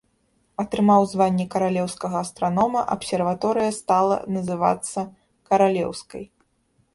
Атрымаў званне каралеўскага астранома, абсерваторыя стала называцца каралеўскай.